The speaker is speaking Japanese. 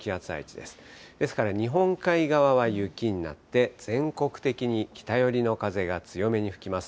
ですから日本海側は雪になって、全国的に北寄りの風が強めに吹きます。